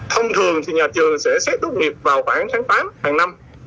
thông thường thì nhà trường sẽ xét tốt nghiệp vào bản tháng tám hàng năm